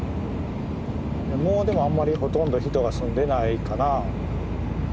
もうでもあんまりほとんど人が住んでないかな。